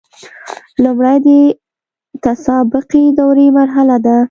لمړی د تطابقي دورې مرحله ده.